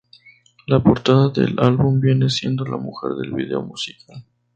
La portada del álbum viene siendo la mujer del video musical.